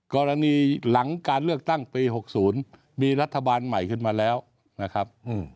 กรณีหลังการเลือกตั้งปี๖๐มีรัฐบาลใหม่ขึ้นมาแล้วนะครับ